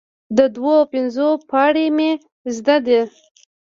د دوو او پنځو پاړۍ مې زده ده،